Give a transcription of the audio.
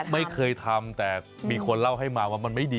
ไม่เคยทำแต่มีคนเล่าให้มาว่ามันไม่ดี